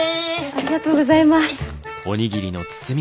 ありがとうございます。